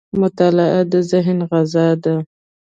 • مطالعه د ذهن غذا ده.